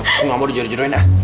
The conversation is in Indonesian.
aku nggak mau dijodoh jodohin ya